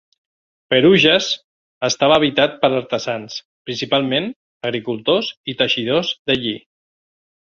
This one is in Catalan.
Pérouges estava habitat per artesans, principalment agricultors i teixidors de lli.